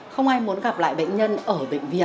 không ai muốn gặp lại bệnh nhân ở bệnh viện